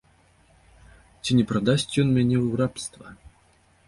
Ці не прадасць ён мяне ў рабства?